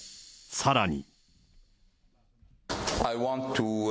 さらに。